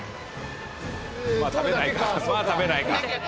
まあ食べないか。